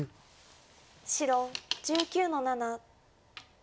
白１９の七。